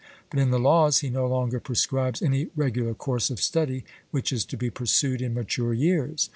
But in the Laws he no longer prescribes any regular course of study which is to be pursued in mature years.